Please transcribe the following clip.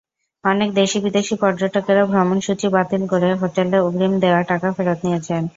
অনেক দেশি-বিদেশি পর্যটকেরা ভ্রমণসূচি বাতিল করে হোটেলে অগ্রিম দেওয়া টাকা ফেরত নিয়েছেন।